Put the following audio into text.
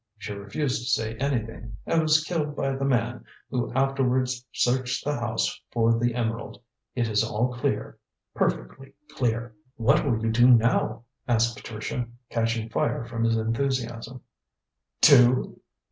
She refused to say anything and was killed by the man, who afterwards searched the house for the emerald. It is all clear, perfectly clear." "What will you do now?" asked Patricia, catching fire from his enthusiasm. "Do?"